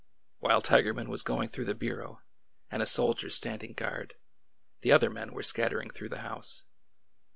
While Tigerman was going through the bureau, and a soldier standing guard, the other men were scattering through the house.